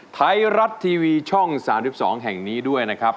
ไทยรัฐทีวีช่อง๓๒แห่งนี้ด้วยนะครับ